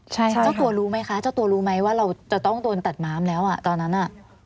ใช่ค่ะเจ้าตัวรู้ไหมคะเจ้าตัวรู้ไหมว่าเราจะต้องโดนตัดม้ามแล้วอ่ะตอนนั้นอ่ะ